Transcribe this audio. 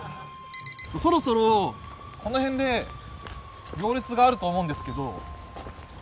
そろそろこの辺で行列があると思うんですけど。